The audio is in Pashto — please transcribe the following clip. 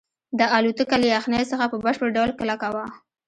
دا الوتکه له یخنۍ څخه په بشپړ ډول کلکه وه